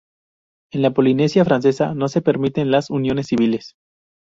En la Polinesia Francesa no se permiten las uniones civiles.